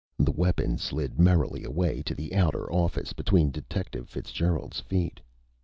The weapon slid merrily away to the outer office between Detective Fitzgerald's feet.